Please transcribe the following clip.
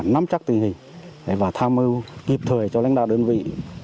chúng ta đã nắm chắc tình hình và tham mưu kịp thời cho lãnh đạo đơn vị